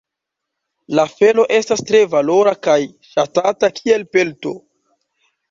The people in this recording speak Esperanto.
La felo estas tre valora kaj ŝatata kiel pelto.